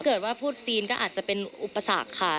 เกิดว่าพูดจีนก็อาจจะเป็นอุปสรรคค่ะ